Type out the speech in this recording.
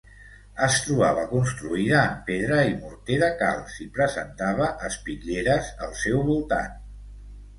Es trobava construïda en pedra i morter de calç i presentava espitlleres al seu voltant.